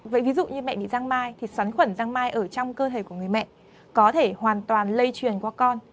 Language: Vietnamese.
vậy ví dụ như mẹ thì giang mai thì xoắn khuẩn răng mai ở trong cơ thể của người mẹ có thể hoàn toàn lây truyền qua con